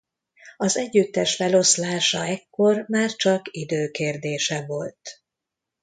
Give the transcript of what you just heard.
Az együttes feloszlása ekkor már csak idő kérdése volt.